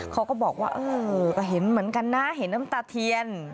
เขาก็บอกว่าเออก็เห็นเหมือนกันนะเห็นน้ำตาเทียน